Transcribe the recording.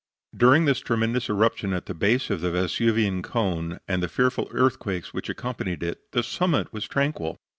During this tremendous eruption at the base of the Vesuvian cone, and the fearful earthquakes which accompanied it, the summit was tranquil.